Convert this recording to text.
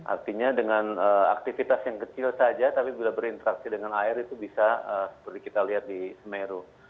artinya dengan aktivitas yang kecil saja tapi bila berinteraksi dengan air itu bisa seperti kita lihat di semeru